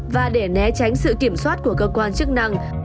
và để né tránh sự kiểm soát của cơ quan chức năng